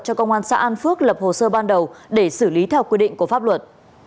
cho công an xã an phước lập hồ sơ ban đầu để xử lý theo quy định của pháp luật